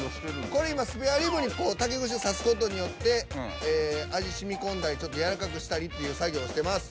これ今スペアリブに竹串を刺す事によって味染み込んだりやわらかくしたりっていう作業をしてます。